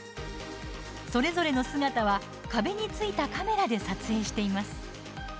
それぞれの姿は、壁についたカメラで撮影しています。